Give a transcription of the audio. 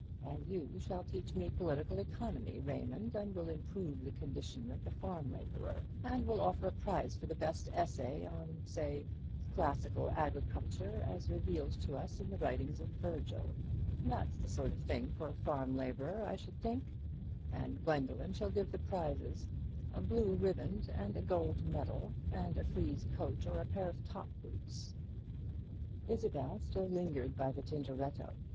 And you shall teach me political economy, Raymond; and we'll improve the condition of the farm labourer; and we'll offer a prize for the best essay on, say, classical agriculture as revealed to us in the writings of Virgil that's the sort of thing for the farm labourer, I should think and Gwendoline shall give the prizes: a blue riband and a gold medal, and a frieze coat, or a pair of top boots." Isabel still lingered by the Tintoretto.